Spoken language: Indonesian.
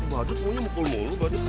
nih badut mu nyemukul mulu badut